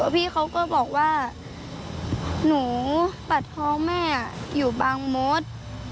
พี่เขาก็บอกว่าหนูปัดท้องแม่อยู่บางมด